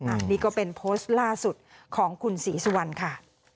อันนี้ก็เป็นโพสต์ล่าสุดของคุณศรีสุวรรณค่ะ